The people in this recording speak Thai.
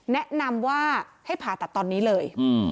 แนะนำว่าให้ผ่าตัดตอนนี้เลย